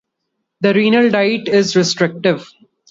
The renal diet is restrictive.